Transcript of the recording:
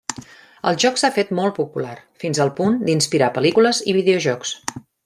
El joc s'ha fet molt popular, fins al punt d'inspirar pel·lícules i videojocs.